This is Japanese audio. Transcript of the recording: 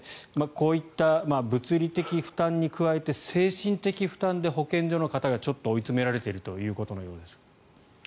こういった物理的負担に加えて精神的負担で保健所の方がちょっと追い詰められているということのようですが。